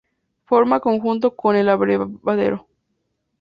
Forma conjunto con el abrevadero.